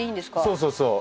そうそうそう。